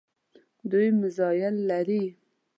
دوی میزایل لري.